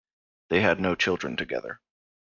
They had no children together.